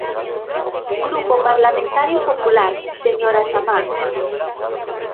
Grupo Parlamentario Popular, señora Samar.